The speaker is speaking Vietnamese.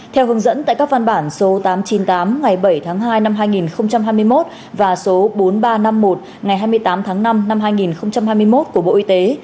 theo hướng dẫn tại các văn bản số tám trăm chín mươi tám ngày bảy tháng hai năm hai nghìn hai mươi một và số bốn nghìn ba trăm năm mươi một ngày hai mươi tám tháng năm năm hai nghìn hai mươi một của bộ y tế